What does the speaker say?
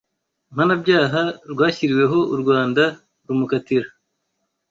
Mpanabyaha rwashyiriweho u Rwanda rumukatira